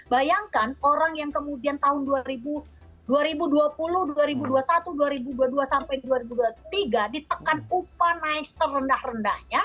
bayangkan orang yang kemudian tahun dua ribu dua puluh dua ribu dua puluh satu dua ribu dua puluh dua sampai dua ribu dua puluh tiga ditekan upah naik serendah rendahnya